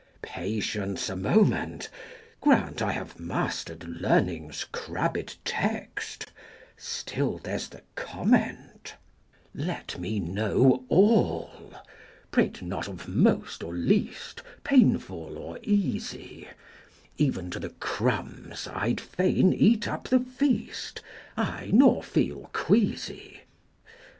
Patience a moment! Grant I have mastered learning's crabbed text, Still there's the comment. 60 Let me know all! Prate not of most or least, Painful or easy! Even to the crumbs I'd fain eat up the feast, Aye, nor feel queasy."